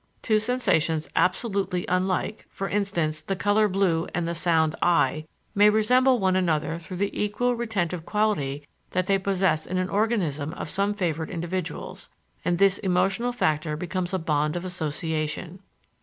Two sensations absolutely unlike (for instance, the color blue and the sound i) may resemble one another through the equal retentive quality that they possess in the organism of some favored individuals, and this emotional factor becomes a bond of association.